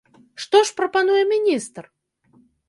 Што ж прапануе міністр?